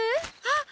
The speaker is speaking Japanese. あっ！